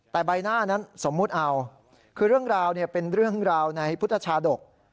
แต่ใบหน้านั้นสมมุติเอาคือเรื่องราวเป็นเรื่องราวในพุทธชาดก